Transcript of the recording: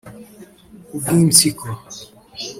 ubw’impyiko